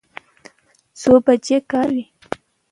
څو بجې کار کوئ؟